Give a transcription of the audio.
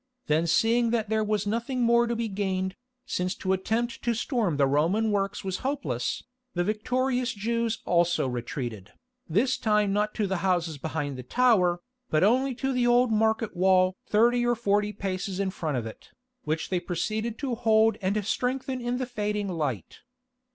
Then seeing that there was nothing more to be gained, since to attempt to storm the Roman works was hopeless, the victorious Jews also retreated, this time not to the houses behind the tower, but only to the old market wall thirty or forty paces in front of it, which they proceeded to hold and strengthen in the fading light.